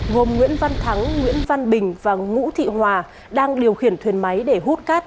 gồm nguyễn văn thắng nguyễn văn bình và ngũ thị hòa đang điều khiển thuyền máy để hút cát